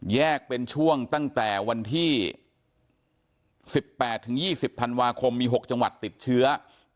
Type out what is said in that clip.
แยกเป็นช่วงตั้งแต่วันที่๑๘๒๐ธันวาคมมี๖จังหวัดติดเชื้อ